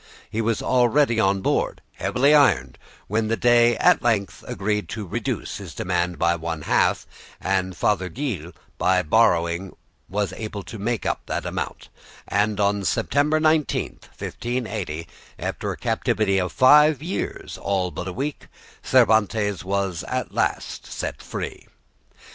He was already on board heavily ironed, when the Dey at length agreed to reduce his demand by one half, and Father Gil by borrowing was able to make up the amount, and on September 19, 1580, after a captivity of five years all but a week, Cervantes was at last set free.